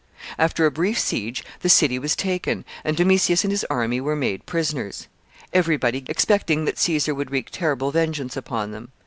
] After a brief siege the city was taken, and Domitius and his army were made prisoners. Every body gave them up for lost, expecting that Caesar would wreak terrible vengeance upon them.